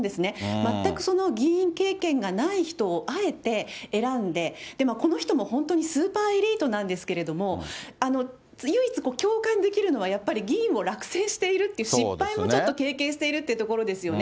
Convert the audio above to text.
全くその議員経験がない人をあえて選んで、この人も本当にスーパーエリートなんですけれども、唯一共感できるのは、やっぱり議員を落選しているっていう、失敗もちょっと経験しているっていうところですよね。